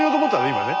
今ね。